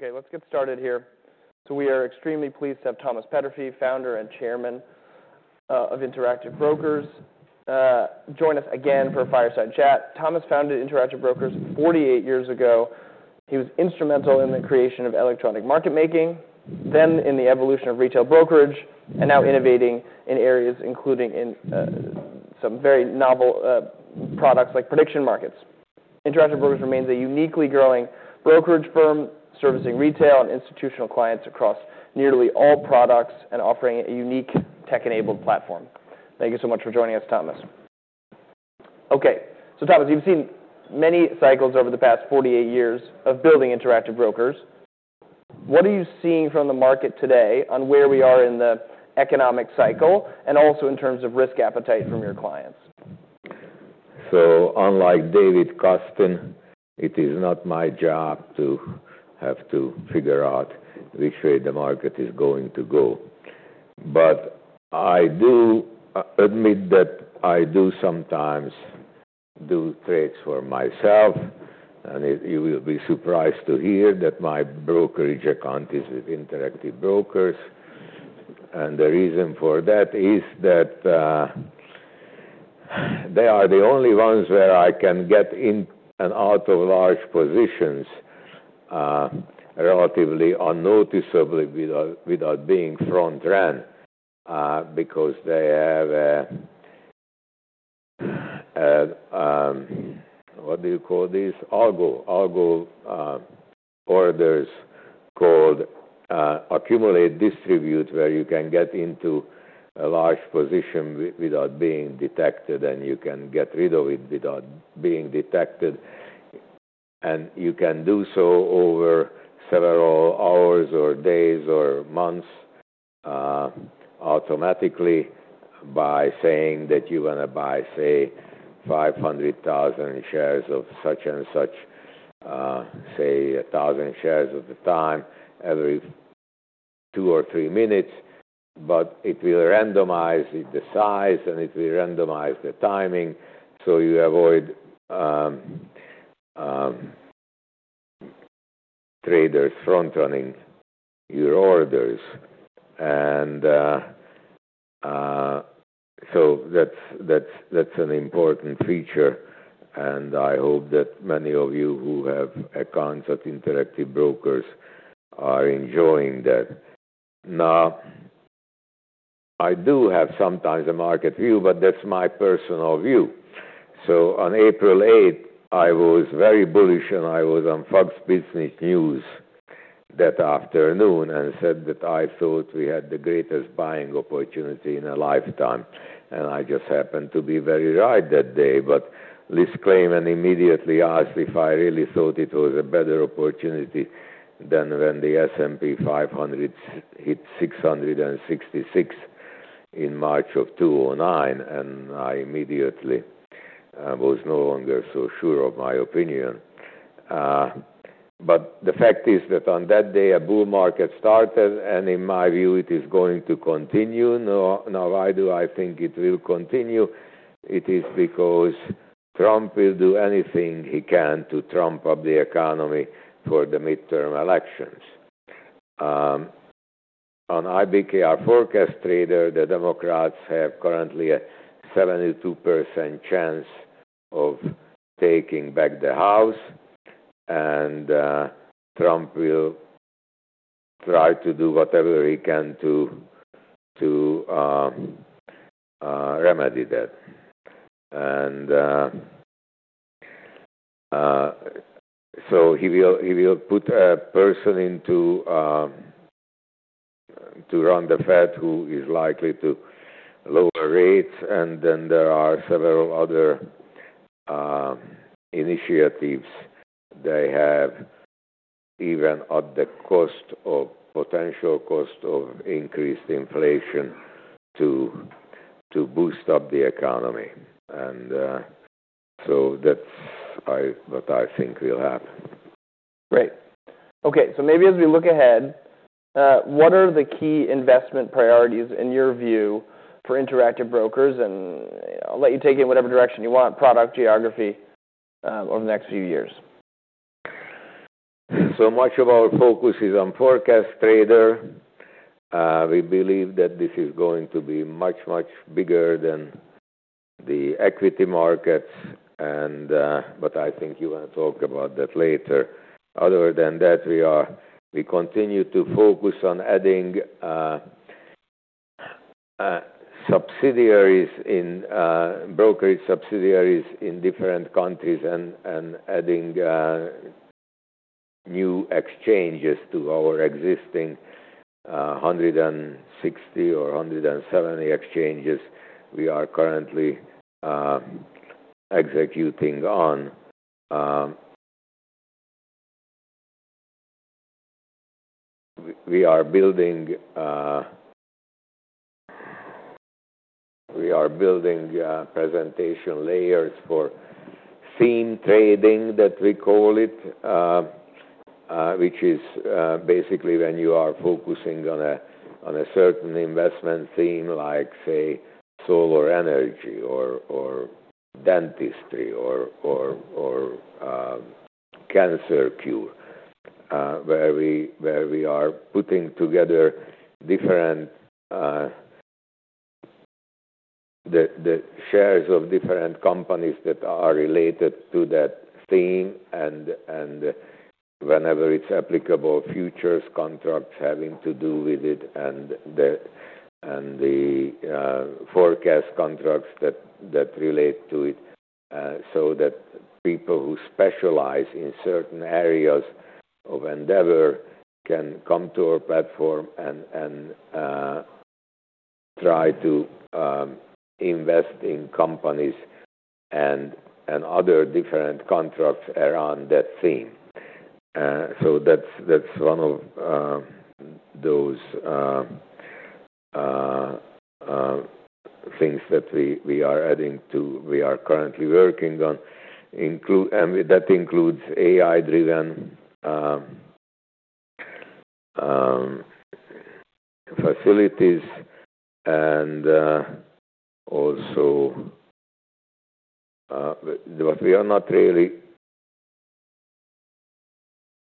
Okay, let's get started here. So we are extremely pleased to have Thomas Peterffy, founder and chairman, of Interactive Brokers, join us again for a fireside chat. Thomas founded Interactive Brokers 48 years ago. He was instrumental in the creation of electronic market making, then in the evolution of retail brokerage, and now innovating in areas including, some very novel, products like prediction markets. Interactive Brokers remains a uniquely growing brokerage firm servicing retail and institutional clients across nearly all products and offering a unique tech-enabled platform. Thank you so much for joining us, Thomas. Okay, so Thomas, you've seen many cycles over the past 48 years of building Interactive Brokers. What are you seeing from the market today on where we are in the economic cycle and also in terms of risk appetite from your clients? So, unlike David Kostin, it is not my job to have to figure out which way the market is going to go. But I do admit that I do sometimes do trades for myself, and you will be surprised to hear that my brokerage account is with Interactive Brokers. And the reason for that is that they are the only ones where I can get in and out of large positions relatively unnoticeably without being front ran, because they have a what do you call this? Algo orders called accumulate distribute where you can get into a large position without being detected, and you can get rid of it without being detected. And you can do so over several hours or days or months, automatically by saying that you want to buy, say, 500,000 shares of such and such, say, 1,000 shares at a time every two or three minutes. But it will randomize the size, and it will randomize the timing, so you avoid traders front running your orders. So that's an important feature, and I hope that many of you who have accounts at Interactive Brokers are enjoying that. Now, I do have sometimes a market view, but that's my personal view. So on April 8th, I was very bullish, and I was on Fox Business News that afternoon and said that I thought we had the greatest buying opportunity in a lifetime. And I just happened to be very right that day. But Liz Claman immediately asked if I really thought it was a better opportunity than when the S&P 500 hit 666 in March of 2009, and I immediately was no longer so sure of my opinion. But the fact is that on that day, a bull market started, and in my view, it is going to continue. Now why do I think it will continue? It is because Trump will do anything he can to trump up the economy for the midterm elections. On IBKR Forecast Trader, the Democrats have currently a 72% chance of taking back the House, and Trump will try to do whatever he can to remedy that. And so he will put a person in to run the Fed who is likely to lower rates, and then there are several other initiatives they have, even at the potential cost of increased inflation to boost up the economy. And so that's what I think will happen. Great. Okay, so maybe as we look ahead, what are the key investment priorities in your view for Interactive Brokers? And I'll let you take it in whatever direction you want, product geography, over the next few years. So much of our focus is on Forecast Trader. We believe that this is going to be much, much bigger than the equity markets, and, but I think you want to talk about that later. Other than that, we continue to focus on adding subsidiaries in brokerage subsidiaries in different countries and adding new exchanges to our existing 160 or 170 exchanges we are currently executing on. We are building presentation layers for theme trading that we call it, which is basically when you are focusing on a certain investment theme like, say, solar energy or dentistry or cancer cure, where we are putting together the shares of different companies that are related to that theme and, whenever it's applicable, futures contracts having to do with it, and the forecast contracts that relate to it, so that people who specialize in certain areas of endeavor can come to our platform and try to invest in companies and other different contracts around that theme. That's one of those things that we are adding to. We are currently working on, including, and that includes AI-driven facilities and also, but we are not really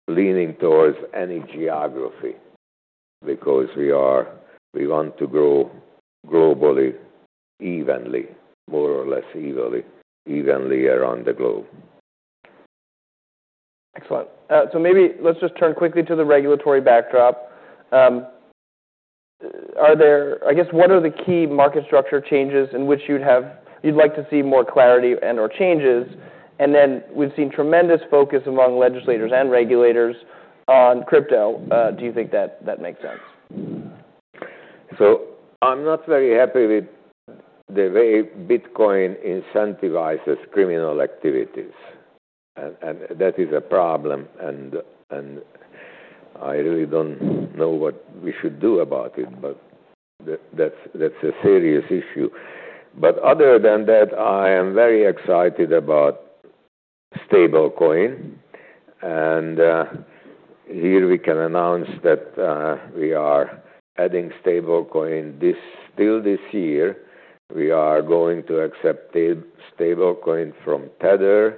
leaning towards any geography because we want to grow globally evenly, more or less evenly around the globe. Excellent. So maybe let's just turn quickly to the regulatory backdrop. Are there, I guess, what are the key market structure changes in which you'd have, you'd like to see more clarity and/or changes? And then we've seen tremendous focus among legislators and regulators on crypto. Do you think that that makes sense? So I'm not very happy with the way Bitcoin incentivizes criminal activities, and that is a problem, and I really don't know what we should do about it, but that's a serious issue. But other than that, I am very excited about stablecoin, and here we can announce that we are adding stablecoin still this year. We are going to accept stablecoin from Tether,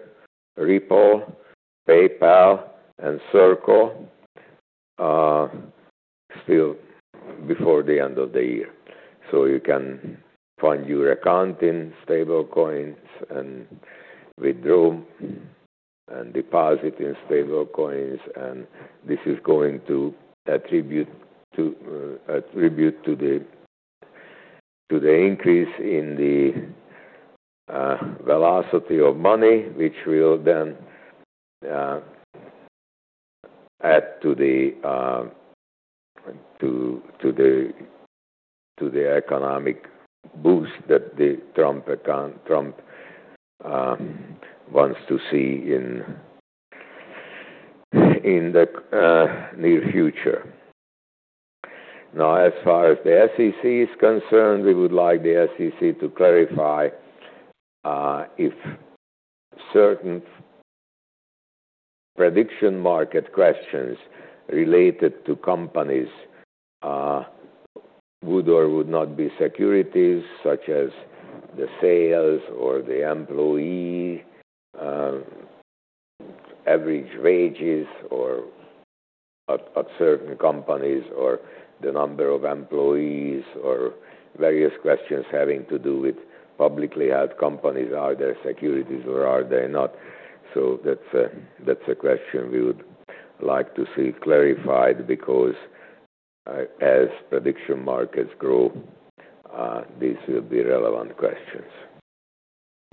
Ripple, PayPal, and Circle, still before the end of the year. So you can fund your account in stablecoins and withdraw and deposit in stablecoins, and this is going to attribute to the increase in the velocity of money, which will then add to the economic boost that the Trump account, Trump, wants to see in the near future. Now, as far as the SEC is concerned, we would like the SEC to clarify if certain prediction market questions related to companies would or would not be securities such as the sales or the employee average wages or at certain companies or the number of employees or various questions having to do with publicly held companies, are they securities or are they not? So that's a question we would like to see clarified because as prediction markets grow, these will be relevant questions.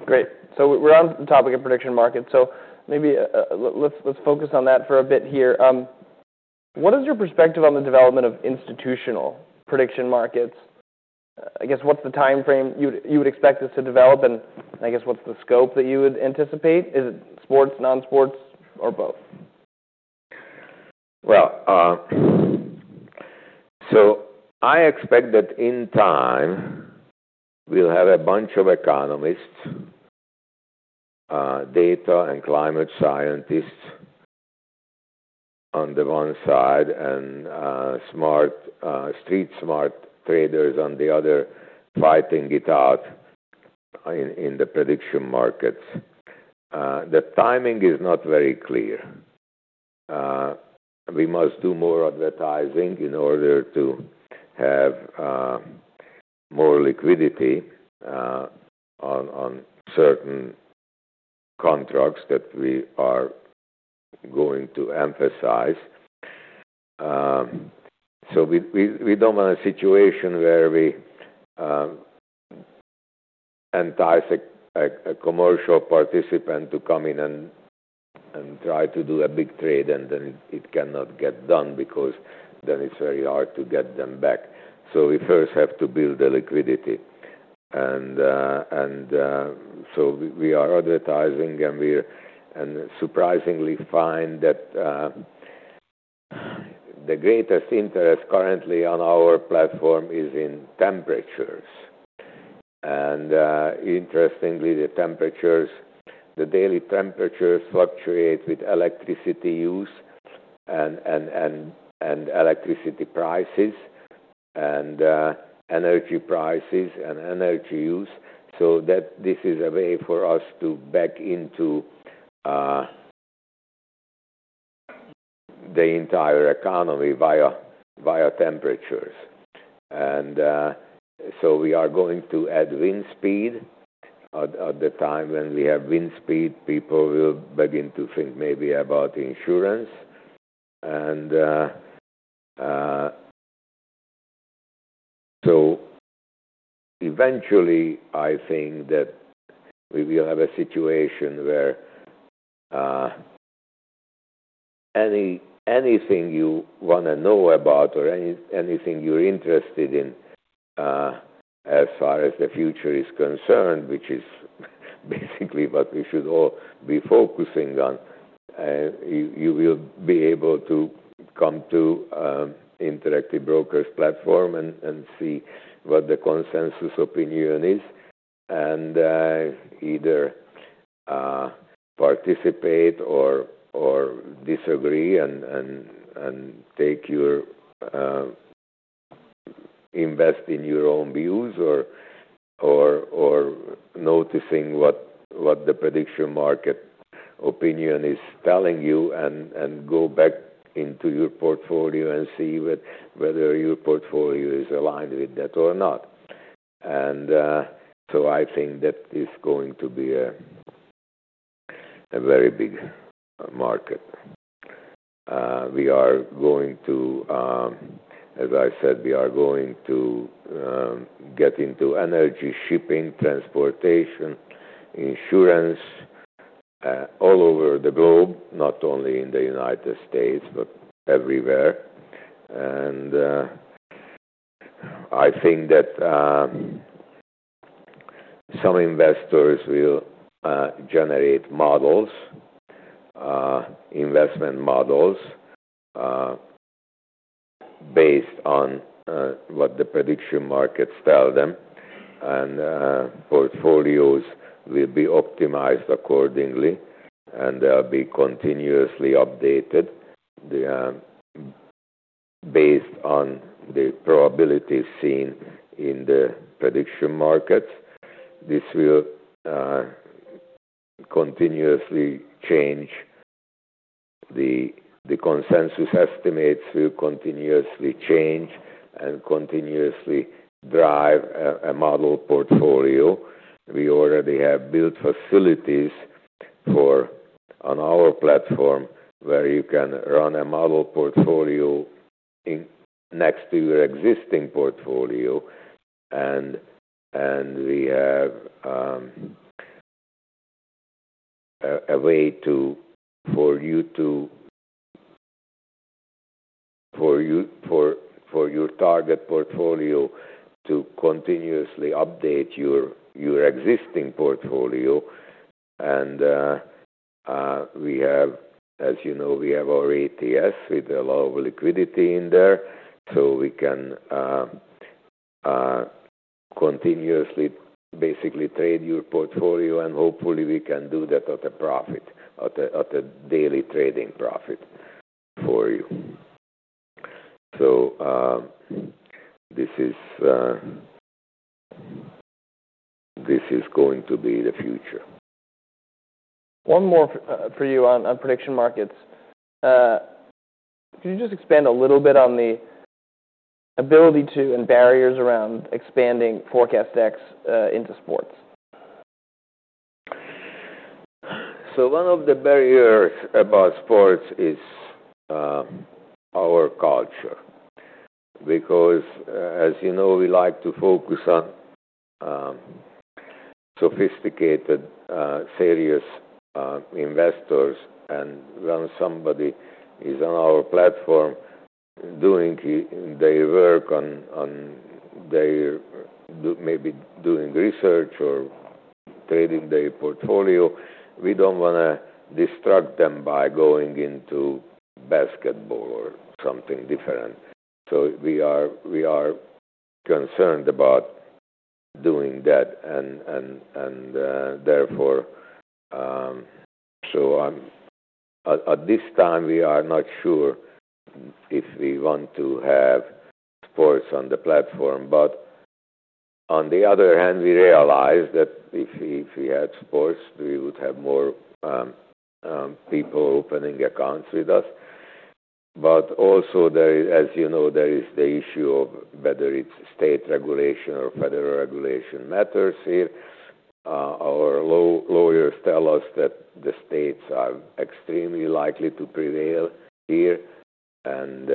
Great. So we're on the topic of prediction markets. So maybe let's focus on that for a bit here. What is your perspective on the development of institutional prediction markets? I guess what's the timeframe you would expect this to develop, and I guess what's the scope that you would anticipate? Is it sports, non-sports, or both? I expect that in time we'll have a bunch of economists, data and climate scientists on the one side and smart, street-smart traders on the other fighting it out in the prediction markets. The timing is not very clear. We must do more advertising in order to have more liquidity on certain contracts that we are going to emphasize. We don't want a situation where we entice a commercial participant to come in and try to do a big trade, and then it cannot get done because then it's very hard to get them back. We first have to build the liquidity. We are advertising, and surprisingly find that the greatest interest currently on our platform is in temperatures. Interestingly, the daily temperatures fluctuate with electricity use and electricity prices and energy prices and energy use. So that this is a way for us to back into the entire economy via temperatures. And so we are going to add wind speed. At the time when we have wind speed, people will begin to think maybe about insurance. Eventually, I think that we will have a situation where anything you want to know about or anything you're interested in, as far as the future is concerned, which is basically what we should all be focusing on, you will be able to come to Interactive Brokers platform and see what the consensus opinion is and either participate or disagree and take your invest in your own views or noticing what the prediction market opinion is telling you and go back into your portfolio and see whether your portfolio is aligned with that or not. I think that is going to be a very big market. As I said, we are going to get into energy shipping, transportation, insurance all over the globe, not only in the United States but everywhere. I think that some investors will generate models, investment models, based on what the prediction markets tell them, and portfolios will be optimized accordingly, and they'll be continuously updated based on the probability seen in the prediction markets. This will continuously change. The consensus estimates will continuously change and continuously drive a model portfolio. We already have built facilities on our platform where you can run a model portfolio next to your existing portfolio, and we have a way for your target portfolio to continuously update your existing portfolio. As you know, we have our ETFs with a lot of liquidity in there, so we can continuously basically trade your portfolio, and hopefully we can do that at a profit, at a daily trading profit for you. So, this is going to be the future. One more for you on prediction markets. Could you just expand a little bit on the ability to and barriers around expanding Forecast X into sports? So one of the barriers about sports is our culture because, as you know, we like to focus on sophisticated, serious investors. And when somebody is on our platform doing their work on their maybe doing research or trading their portfolio, we don't want to distract them by going into basketball or something different. So we are concerned about doing that and therefore at this time we are not sure if we want to have sports on the platform. But on the other hand, we realize that if we had sports, we would have more people opening accounts with us. But also, as you know, there is the issue of whether it's state regulation or federal regulation matters here. Our lawyers tell us that the states are extremely likely to prevail here, and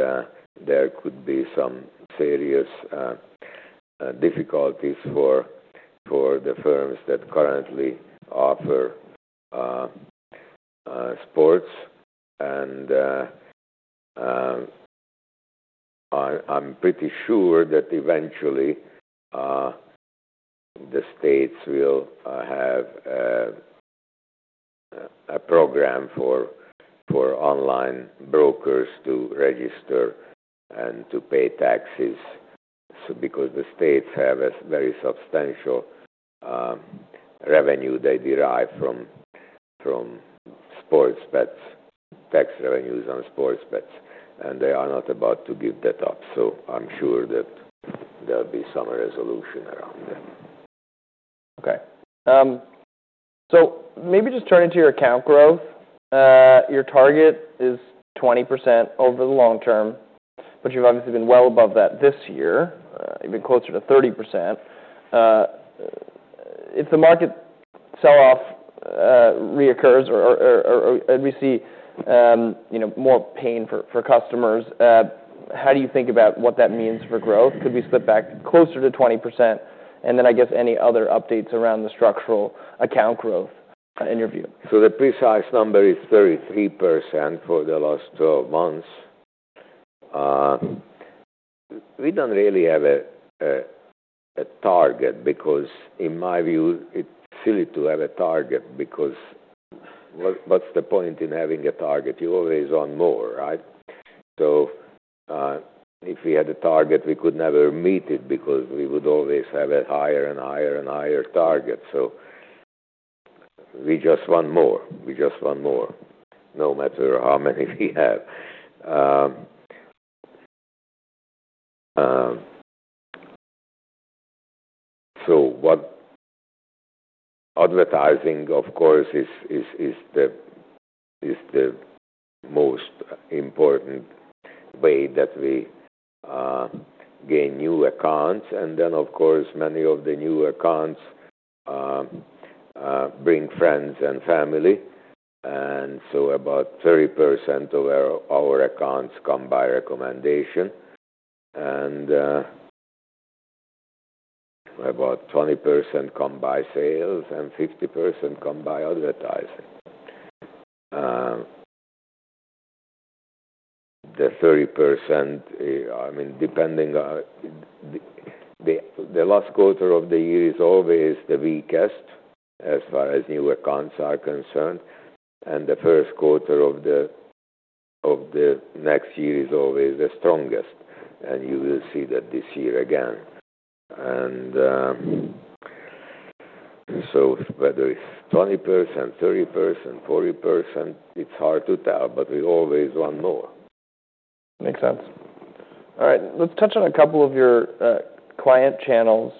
there could be some serious difficulties for the firms that currently offer sports, and I'm pretty sure that eventually the states will have a program for online brokers to register and to pay taxes, so because the states have a very substantial revenue they derive from sports bets, tax revenues on sports bets, and they are not about to give that up, so I'm sure that there'll be some resolution around that. Okay. So maybe just turn to your account growth. Your target is 20% over the long-term, but you've obviously been well above that this year. You've been closer to 30%. If the market sell-off reoccurs or we see, you know, more pain for customers, how do you think about what that means for growth? Could we slip back closer to 20%? And then I guess any other updates around the structural account growth in your view? So the precise number is 33% for the last 12 months. We don't really have a target because in my view, it's silly to have a target because what's the point in having a target? You always want more, right? So, if we had a target, we could never meet it because we would always have a higher and higher and higher target. So we just want more. We just want more no matter how many we have. So advertising, of course, is the most important way that we gain new accounts. And then, of course, many of the new accounts bring friends and family. And so about 30% of our accounts come by recommendation, and about 20% come by sales and 50% come by advertising. The 30%, I mean, depending on the last quarter of the year, is always the weakest as far as new accounts are concerned, and the first quarter of the next year is always the strongest. And you will see that this year again. And so whether it's 20%, 30%, 40%, it's hard to tell, but we always want more. Makes sense. All right. Let's touch on a couple of your client channels.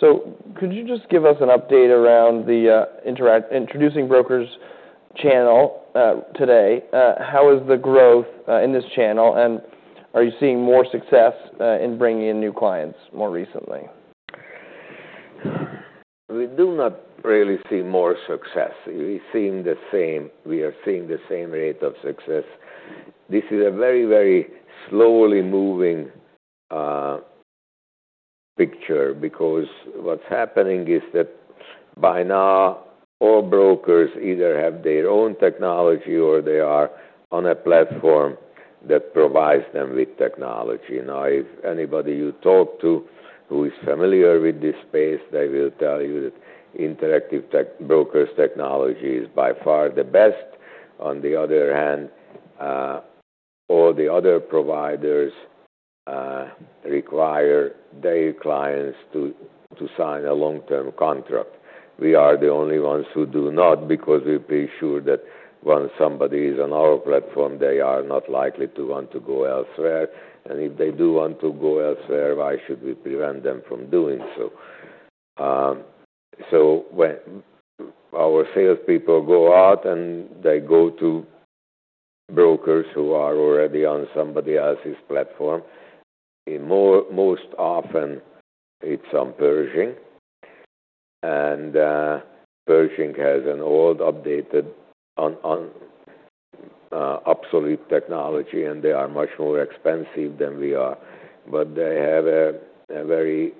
So could you just give us an update around the Interactive Brokers introducing broker channel today? How is the growth in this channel? And are you seeing more success in bringing in new clients more recently? We do not really see more success. We're seeing the same. We are seeing the same rate of success. This is a very, very slowly moving picture because what's happening is that by now, all brokers either have their own technology or they are on a platform that provides them with technology. Now, if anybody you talk to who is familiar with this space, they will tell you that Interactive Brokers technology is by far the best. On the other hand, all the other providers require their clients to sign a long-term contract. We are the only ones who do not because we're pretty sure that when somebody is on our platform, they are not likely to want to go elsewhere, and if they do want to go elsewhere, why should we prevent them from doing so? So when our salespeople go out and they go to brokers who are already on somebody else's platform, most often it's on Pershing. And Pershing has an old, outdated, obsolete technology, and they are much more expensive than we are. But they have a very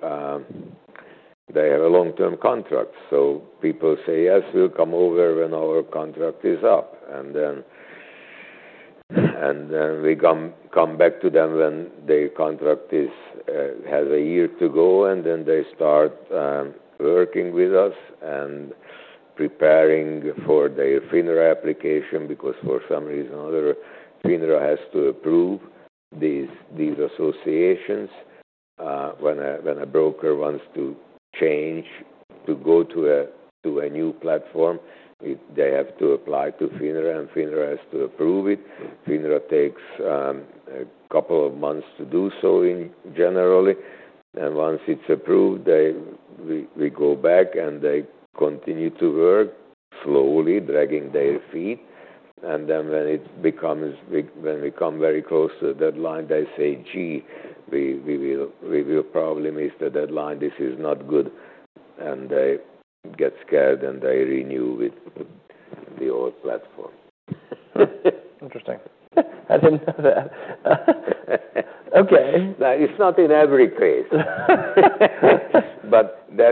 long-term contract. So people say, "Yes, we'll come over when our contract is up." And then we come back to them when their contract has a year to go, and then they start working with us and preparing for their FINRA application because for some reason or other, FINRA has to approve these associations. When a broker wants to change to go to a new platform, they have to apply to FINRA, and FINRA has to approve it. FINRA takes a couple of months to do so in general. And once it's approved, we go back and they continue to work slowly, dragging their feet. And then when it becomes big, when we come very close to the deadline, they say, "Gee, we will probably miss the deadline. This is not good." And they get scared and they renew with the old platform. Interesting. I didn't know that. Okay. Now, it's not in every case. But that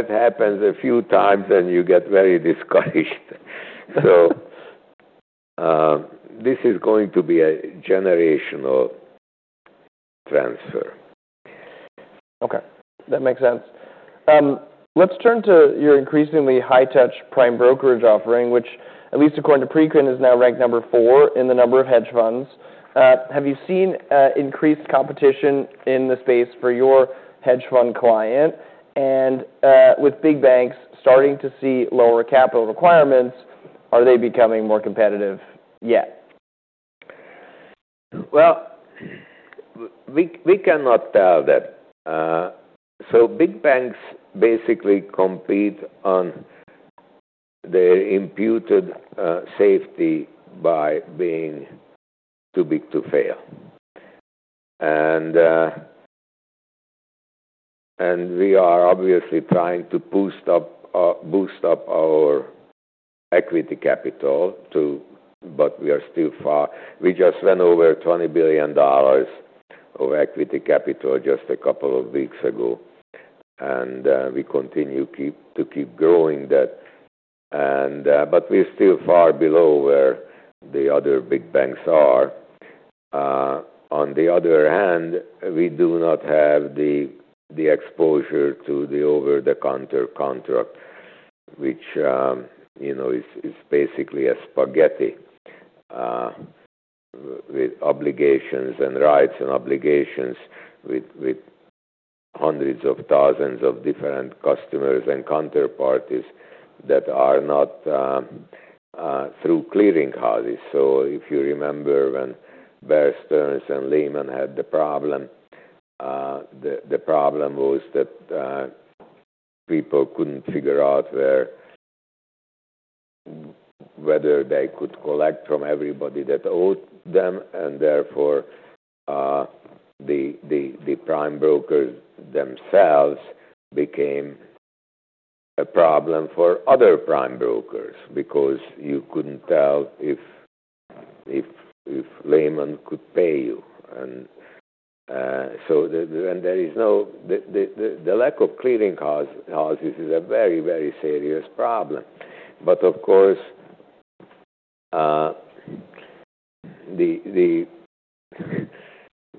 happens a few times and you get very discouraged. So, this is going to be a generational transfer. Okay. That makes sense. Let's turn to your increasingly high-touch prime brokerage offering, which, at least according to Preqin, is now ranked number four in the number of hedge funds. Have you seen increased competition in the space for your hedge fund client? And, with big banks starting to see lower capital requirements, are they becoming more competitive yet? Well, we cannot tell that. So big banks basically compete on their imputed safety by being too big to fail. And we are obviously trying to boost up our equity capital, but we are still far. We just went over $20 billion of equity capital just a couple of weeks ago. And we continue to keep growing that. And, but we're still far below where the other big banks are. On the other hand, we do not have the exposure to the over-the-counter contract, which, you know, is basically a spaghetti with obligations and rights and obligations with hundreds of thousands of different customers and counterparties that are not through clearing houses. So if you remember when Bear Stearns and Lehman had the problem, the problem was that people couldn't figure out whether they could collect from everybody that owed them. And therefore, the prime brokers themselves became a problem for other prime brokers because you couldn't tell if Lehman could pay you. And the lack of clearing houses is a very serious problem. But of course, the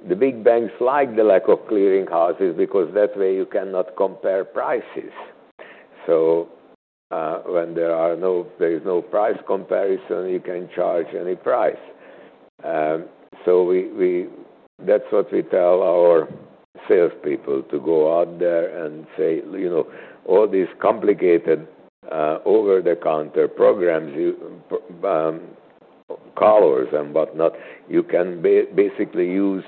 big banks like the lack of clearing houses because that way you cannot compare prices. So when there is no price comparison, you can charge any price. That's what we tell our salespeople to go out there and say, you know, all these complicated, over-the-counter programs, collars and whatnot. You can basically use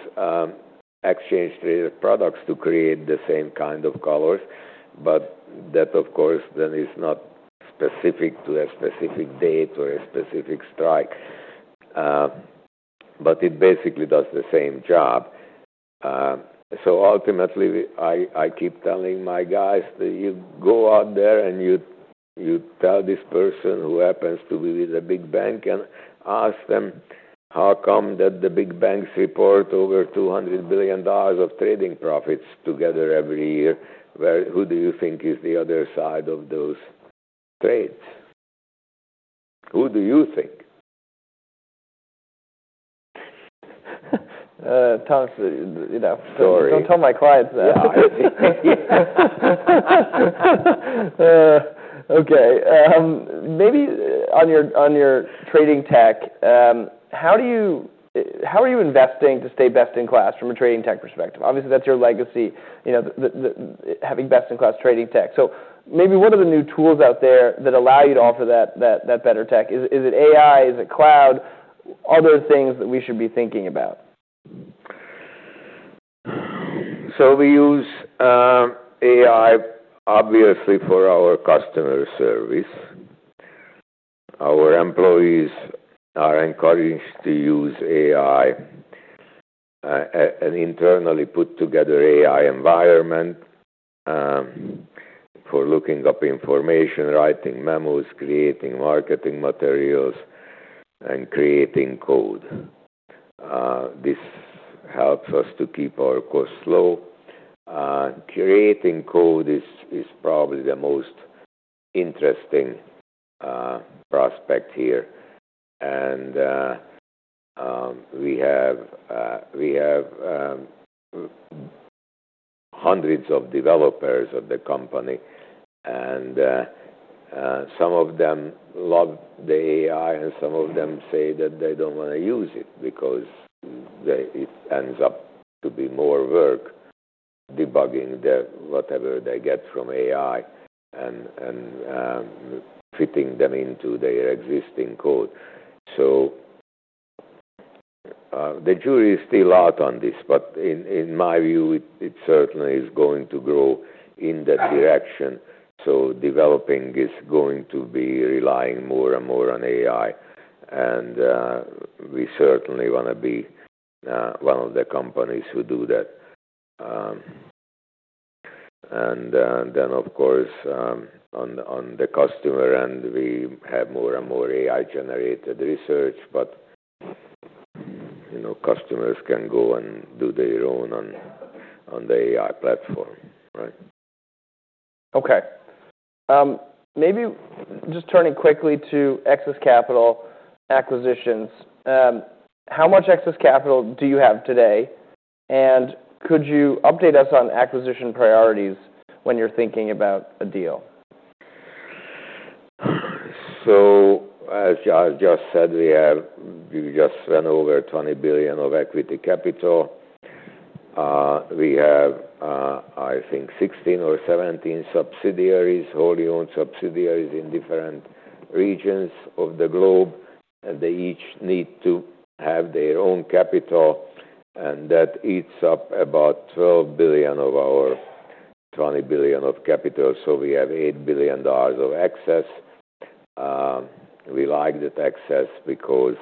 exchange-traded products to create the same kind of collars, but that, of course, then is not specific to a specific date or a specific strike, but it basically does the same job. Ultimately, I keep telling my guys that you go out there and tell this person who happens to be with a big bank and ask them, "How come that the big banks report over $200 billion of trading profits together every year? Who do you think is the other side of those trades? Who do you think? Tell us, you know. Sorry. Don't tell my clients that. Okay. Maybe on your trading tech, how are you investing to stay best in class from a trading tech perspective? Obviously, that's your legacy, you know, the having best-in-class trading tech. So maybe what are the new tools out there that allow you to offer that better tech? Is it AI? Is it cloud? Are there things that we should be thinking about? So we use AI obviously for our customer service. Our employees are encouraged to use AI, and an internally put together AI environment, for looking up information, writing memos, creating marketing materials, and creating code. This helps us to keep our costs low. Creating code is probably the most interesting prospect here. And we have hundreds of developers at the company. And some of them love the AI, and some of them say that they don't want to use it because it ends up to be more work debugging whatever they get from AI and fitting them into their existing code. So the jury is still out on this, but in my view, it certainly is going to grow in that direction. So developing is going to be relying more and more on AI. And we certainly want to be one of the companies who do that. And then of course, on the customer end, we have more and more AI-generated research, but you know, customers can go and do their own on the AI platform, right? Okay. Maybe just turning quickly to excess capital acquisitions. How much excess capital do you have today? And could you update us on acquisition priorities when you're thinking about a deal? So, as I just said, we just went over $20 billion of equity capital. We have, I think, 16 or 17 subsidiaries, wholly-owned subsidiaries in different regions of the globe. And they each need to have their own capital. And that eats up about $12 billion of our $20 billion of capital. So we have $8 billion of excess. We like that excess because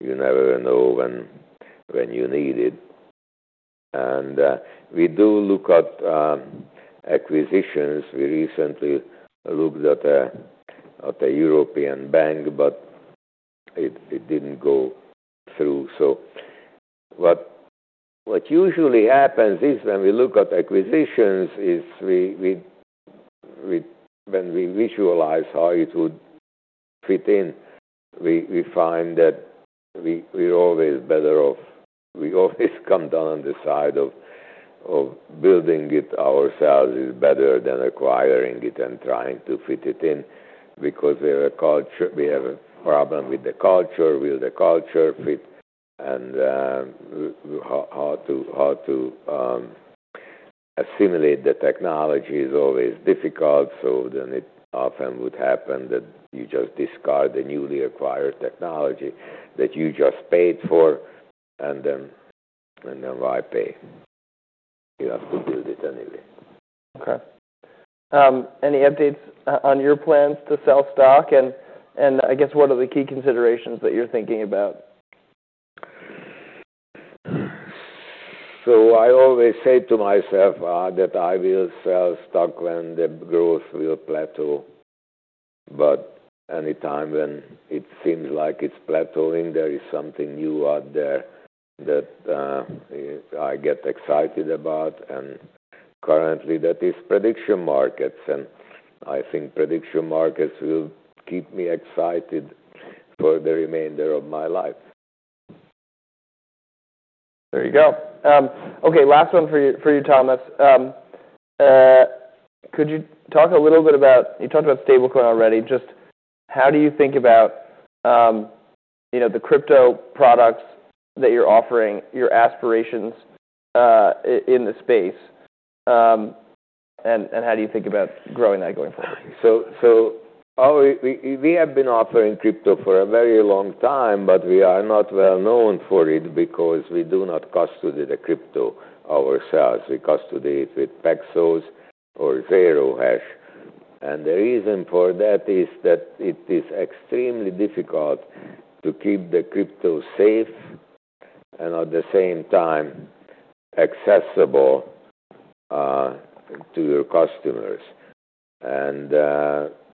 you never know when you need it. And we do look at acquisitions. We recently looked at a European bank, but it didn't go through. So what usually happens is when we look at acquisitions is we when we visualize how it would fit in, we find that we're always better off. We always come down on the side of building it ourselves is better than acquiring it and trying to fit it in because we have a culture. We have a problem with the culture. Will the culture fit? And how to assimilate the technology is always difficult. So then it often would happen that you just discard the newly acquired technology that you just paid for. And then why pay? You have to build it anyway. Okay. Any updates on your plans to sell stock? And I guess what are the key considerations that you're thinking about? So I always say to myself that I will sell stock when the growth will plateau, but anytime when it seems like it's plateauing, there is something new out there that I get excited about, and currently, that is prediction markets, and I think prediction markets will keep me excited for the remainder of my life. There you go. Okay. Last one for you, Thomas. Could you talk a little bit about, you talked about stablecoin already. Just how do you think about, you know, the crypto products that you're offering, your aspirations in the space, and how do you think about growing that going forward? We have been offering crypto for a very long time, but we are not well-known for it because we do not custody the crypto ourselves. We custody it with Paxos or Zero Hash. And the reason for that is that it is extremely difficult to keep the crypto safe and at the same time accessible to your customers. And,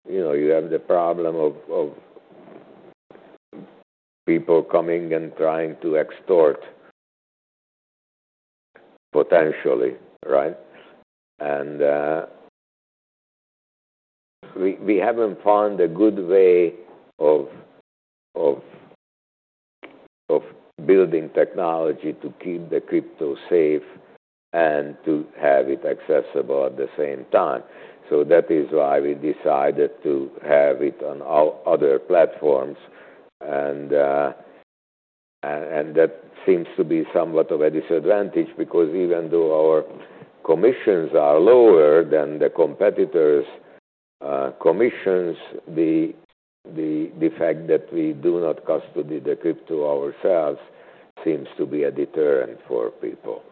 you know, you have the problem of people coming and trying to extort potentially, right? And we haven't found a good way of building technology to keep the crypto safe and to have it accessible at the same time. So that is why we decided to have it on our other platforms. That seems to be somewhat of a disadvantage because even though our commissions are lower than the competitors, the fact that we do not custody the crypto ourselves seems to be a deterrent for people.